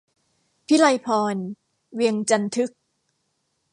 พิไลพร เวียงจันทึก